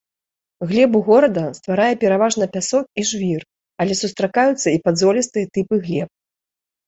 Глебу горада, стварае пераважна пясок і жвір, але сустракаюцца і падзолістыя тыпы глеб.